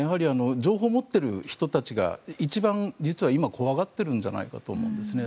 情報を持っている人たちが一番実は今、怖がっているんじゃないかと思うんですね。